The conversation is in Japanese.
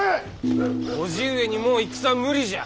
叔父上にもう戦は無理じゃ。